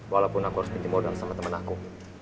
walaupun aku harus bikin modal sama teman aku